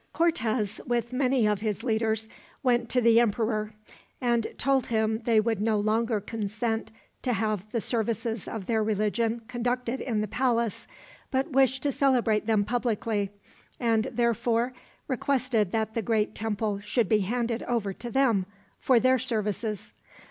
Cortez with many of his leaders went to the emperor, and told him that they would no longer consent to have the services of their religion conducted in the palace, but wished to celebrate them publicly; and therefore requested that the great temple should be handed over to them, for their services.